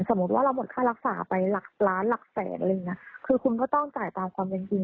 ว่าเราหมดค่ารักษาไปหลักล้านหลักแสนอะไรอย่างเงี้ยคือคุณก็ต้องจ่ายตามความเป็นจริง